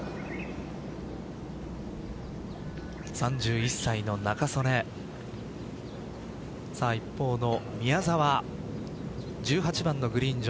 ３１歳の仲宗根一方の宮澤１８番のグリーン上。